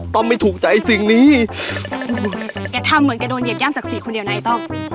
ต้องไม่ถูกใจสิ่งนี้แกทำเหมือนแกโดนเหยียบย่ำศักดิ์ศรีคนเดียวในต้อง